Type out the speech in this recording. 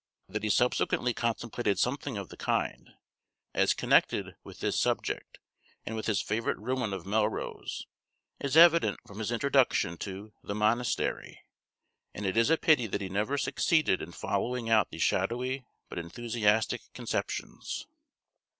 That he subsequently contemplated something of the kind, as connected with this subject, and with his favorite ruin of Melrose, is evident from his introduction to "The Monastery;" and it is a pity that he never succeeded in following out these shadowy, but enthusiastic conceptions.